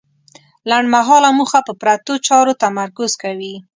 لنډمهاله موخه په پرتو چارو تمرکز کوي.